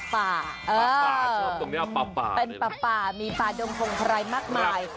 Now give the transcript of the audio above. ป่าตรงนี้ป่าเป็นป่ามีป่าดงพงไพรมากมาย